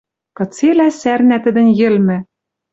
Кыцелӓ сӓрнӓ тӹдӹн йӹлмӹ